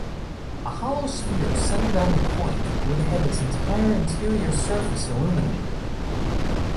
A hollow sphere centered on the point would have its entire interior surface illuminated.